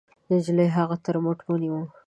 نجلۍ هغه تر مټ ونيوله.